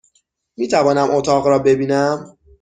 میتوانم اتاق را ببینم؟